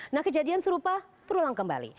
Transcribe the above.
nah kejadian serupa terulang kembali